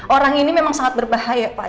orang ini memang sangat berbahaya pak